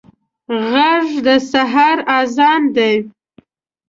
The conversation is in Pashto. غږ د سحر اذان دی